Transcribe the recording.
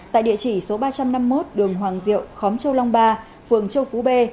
tại địa chỉ số ba trăm năm mươi một đường hoàng diệu khóm châu long ba phường châu phú b